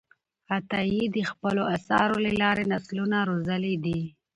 عطایي د خپلو آثارو له لارې نسلونه روزلي دي.